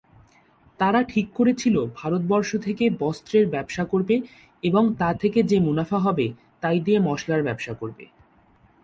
তারা ঠিক করেছিল ভারতবর্ষে থেকে বস্ত্রের ব্যবসা করবে এবং তা থেকে যে মুনাফা হবে তাই দিয়ে মসলার ব্যবসা করবে।